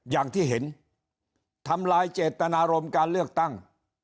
อย่างที่เห็นทำลายเจตนารมการเลือกตั้ง